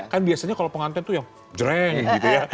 kan biasanya kalau pengantin tuh yang jreng gitu ya